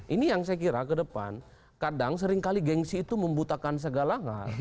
ini yang saya kira ke depan kadang seringkali gengsi itu membutakan segala hal